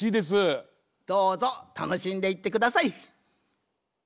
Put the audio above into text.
どうぞたのしんでいってください。